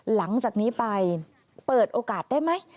หลังจากนี้ไปเปิดโอกาสได้ไหม